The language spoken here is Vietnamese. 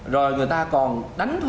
rồi người ta còn đánh thuế